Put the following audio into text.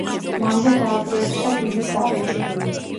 მანვე დააპროექტა ვილის ავეჯი.